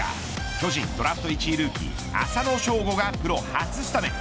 巨人ドラフト１位ルーキー浅野翔吾がプロ初スタメン。